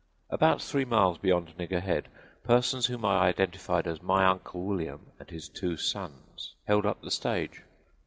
About three miles beyond Nigger Head, persons whom I identified as my Uncle William and his two sons held up the stage.